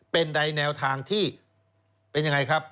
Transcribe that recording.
เป็นใดแนวทางที่เป็นยังไงครับ